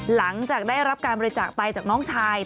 หลังจากได้รับการบริจาคไปจากน้องชาย